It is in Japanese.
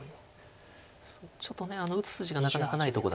ちょっと打つ筋がなかなかないとこだけに。